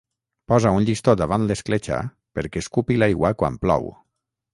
Posa un llistó davant l'escletxa perquè escupi l'aigua quan plou.